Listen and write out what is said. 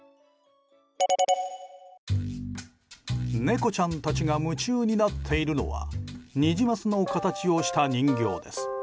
猫ちゃんたちが夢中になっているのはニジマスの形をした人形です。